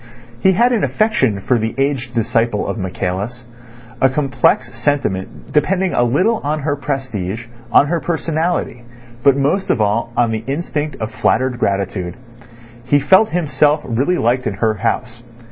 He had an affection for the aged disciple of Michaelis, a complex sentiment depending a little on her prestige, on her personality, but most of all on the instinct of flattered gratitude. He felt himself really liked in her house.